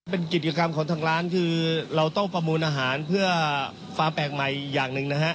เป็นกิจกรรมของทางร้านคือเราต้องประมูลอาหารเพื่อความแปลกใหม่อย่างหนึ่งนะฮะ